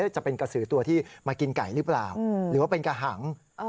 จะเป็นกระสือตัวที่มากินไก่หรือเปล่าหรือว่าเป็นกระหัง